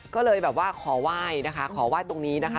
ก็เลยแบบว่าขอไหว้นะคะขอไหว้ตรงนี้นะคะ